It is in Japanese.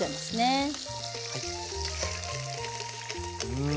うん。